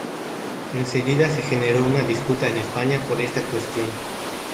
Enseguida se generó una disputa en España por esta cuestión.